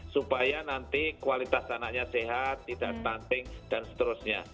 supaya nanti kualitas anaknya sehat tidak stunting dan seterusnya